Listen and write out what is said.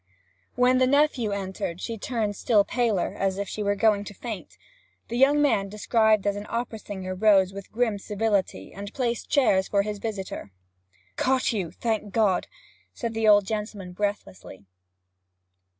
When the nephew entered, she turned still paler, as if she were going to faint. The young man described as an opera singer rose with grim civility, and placed chairs for his visitors. 'Caught you, thank God!' said the old gentleman breathlessly.